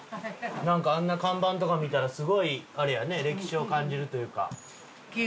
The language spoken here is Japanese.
なんかあんな看板とか見たらすごいあれやね歴史を感じるというか。